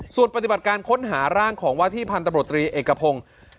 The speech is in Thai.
ส่วนปฏิบัติการค้นหาร่างของว่าที่พันธบรตรีเอกพงศ์